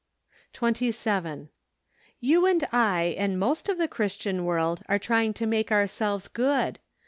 27. You and I and most of the Christian world are trying to make ourselves good.